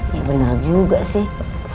ya bener juga sih